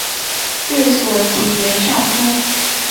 治所即元上都。